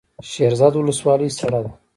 شیرزاد ولسوالۍ سړه ده؟